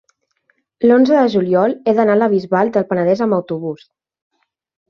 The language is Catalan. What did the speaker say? l'onze de juliol he d'anar a la Bisbal del Penedès amb autobús.